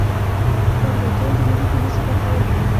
اربکیان د ملي پولیسو برخه ول